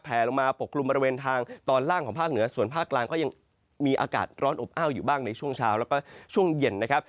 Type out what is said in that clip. ลงมาปกกลุ่มบริเวณทางตอนล่างของภาคเหนือส่วนภาคกลางก็ยังมีอากาศร้อนอบอ้าวอยู่บ้างในช่วงเช้าแล้วก็ช่วงเย็นนะครับ